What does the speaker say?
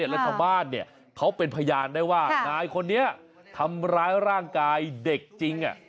แล้วชาวบ้านเขาเป็นพยานได้ว่านายคนนี้ทำร้ายร่างกายเด็กจริง